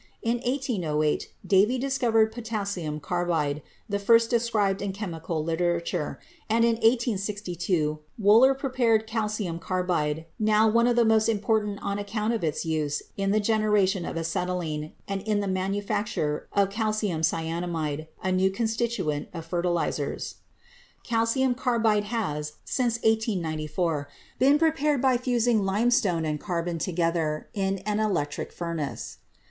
In 1808, Davy dis covered potassium carbide, the first described in chemical literature, and in 1862 Wohler prepared calcium carbide, now one of the most important on account of its use in the generation of acetylene and in the manufacture of calcium cyanamide, a new constituent of fertilizers. Cal 268 CHEMISTRY cium carbide has, since 1894, been prepared by fusing limestone and carbon together in an electric furnace.